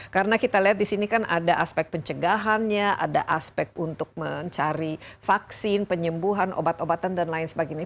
karena kita lihat di sini kan ada aspek pencegahannya ada aspek untuk mencari vaksin penyembuhan obat obatan dan lain sebagainya